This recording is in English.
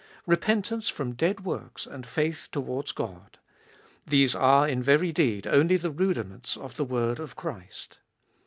Repentance from dead works and faith towards God : these are in very deed only the rudiments of the word of Christ.